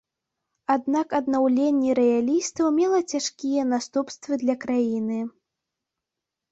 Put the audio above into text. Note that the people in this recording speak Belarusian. Аднак аднаўленне раялістаў мела цяжкія наступствы для краіны.